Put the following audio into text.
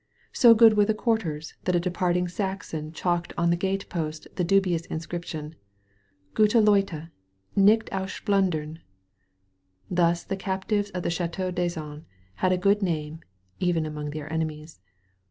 So good were the quarters that a departing Saxon chalked on the gate post the dubious inscription: "Gwte LeiUe — nicht ausplun dem. Thus the captives at the Ch&teau d'Azan had a good name even among their enemies.